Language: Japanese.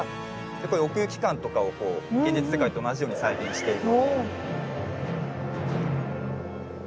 奥行き感とかを現実世界と同じように再現していて。